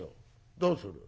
どうする？